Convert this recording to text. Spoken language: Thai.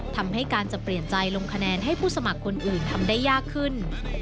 ทำให้การจะเปลี่ยนใจลงคะแนนให้ผู้สมัครคนอื่นทำได้ยากขึ้น